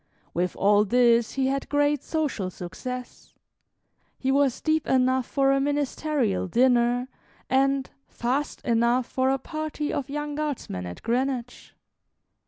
With all this, he had great social success. He was deep enough for a ministerial dinner, and "fast" enough for a party of young Guardsmen at Greenwich.